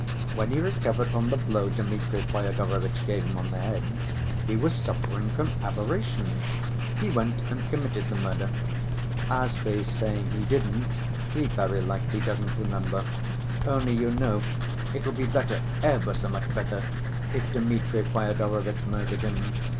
When he recovered from the blow Dmitri Fyodorovitch gave him on the head, he was suffering from aberration; he went and committed the murder. As for his saying he didn't, he very likely doesn't remember. Only, you know, it'll be better, ever so much better, if Dmitri Fyodorovitch murdered him.